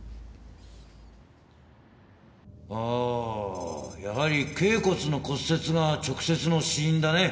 あやはり頚骨の骨折が直接の死因だね。